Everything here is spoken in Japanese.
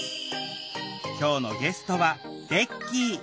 今日のゲストはベッキー。